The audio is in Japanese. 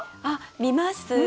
あっ見ます。